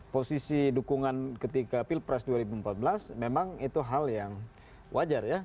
posisi dukungan ketika pilpres dua ribu empat belas memang itu hal yang wajar ya